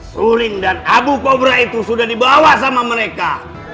suling dan abu pobra itu sudah dibawa sama mereka